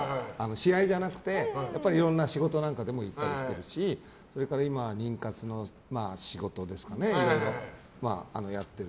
試合じゃなくていろんな仕事とかで行ったりしてるしそれから今は妊活の仕事ですとかいろいろやってる。